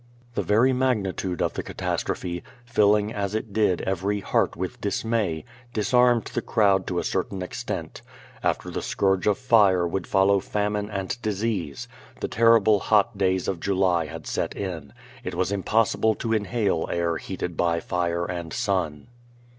The very magnitude of the catastrophe, filling as it did every heart with dismay, disarmed the crowd to a certain ex tent. After the scourge of fire would follow famine and dis ease. The terrible hot days of July had set in. It was im possible to inhale air heated by fire and sun.